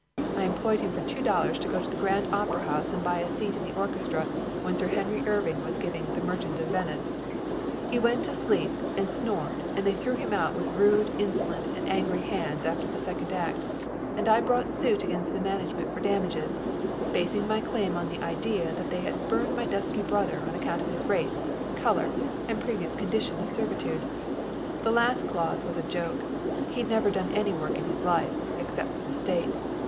I employed him for two dollars to go to the Grand Opera House and buy a seat in the orchestra when Sir Henry Irving was giving The Merchant of Venice. He went to sleep and snored and they threw him out with rude, insolent, and angry hands after the second act; and I brought suit against the management for damages, basing my claim on the idea that they had spurned my dusky brother on account of his race, color and previous condition of servitude. The last clause was a joke. He had never done any work in his life, except for the state.